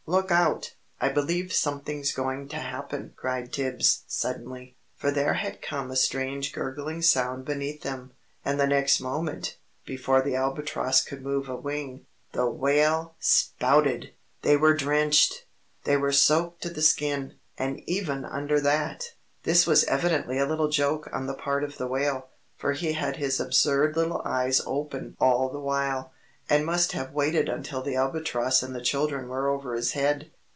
"Look out! I believe something's going to happen!" cried Tibbs, suddenly. For there had come a strange gurgling sound beneath them. And the next moment, before the Albatross could move a wing, the Whale SPOUTED! They were drenched! They were soaked to the skin, and even under that! This was evidently a little joke on the part of the Whale, for he had his absurd little eyes open all the while, and must have waited until the Albatross and the children were over his head.